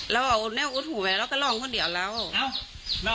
เราเอาแนวอุดหูไปแล้วก็ลองพ่อเดี๋ยวแล้วเอ้า